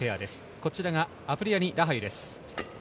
こちらがアプリヤニ・ラハユです。